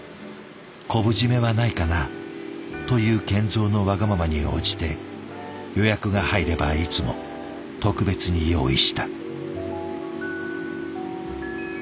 「昆布締めはないかな？」という賢三のわがままに応じて予約が入ればいつも特別に用意した。